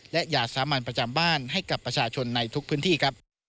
และอย่าสามัญประจำบ้านให้กับประชาชนในทุกพื้นที่ครับ